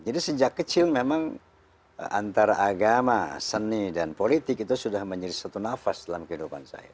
jadi sejak kecil memang antara agama seni dan politik itu sudah menjadi satu nafas dalam kehidupan saya